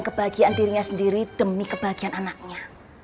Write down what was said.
kebahagiaan dirinya sendiri demi kebahagiaan anaknya